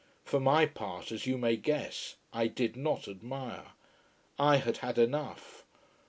For my part, as you may guess, I did not admire. I had had enough.